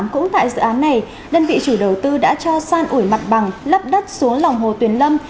cũng tại dự án này đơn vị chủ đầu tư đã cho san ủi mặt bằng lấp đất xuống lòng hồ tuyền lâm